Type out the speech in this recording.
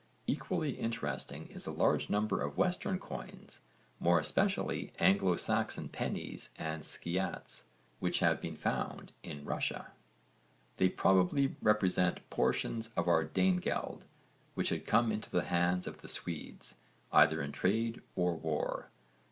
Equally interesting is the large number of western coins, more especially Anglo Saxon pennies and sceatts, which have been found in Russia. They probably represent portions of our Danegeld which had come into the hands of the Swedes either in trade or war.